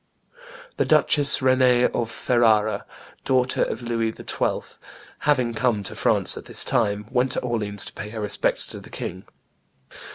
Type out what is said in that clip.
The Duchess Renee of Ferrara, daughter of Louis XII., having come to France at this time, went to Orleans to pay her respects to the king.